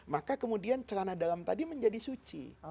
maka kemudian celana dalam tadi menjadi suci